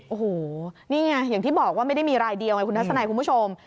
โอ้โหเนี่ยอย่างที่บอกไม่มีรายเดียวไงคุณทัศน์ไหนคุณผู้ชม